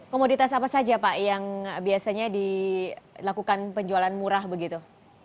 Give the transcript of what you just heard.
komoditas apa saja pak yang biasanya dilakukan penjualan murah begitu